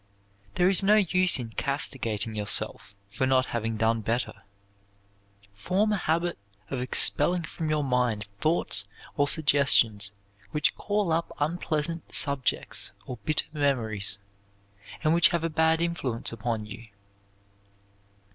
There is no use in castigating yourself for not having done better. Form a habit of expelling from your mind thoughts or suggestions which call up unpleasant subjects or bitter memories, and which have a bad influence upon you.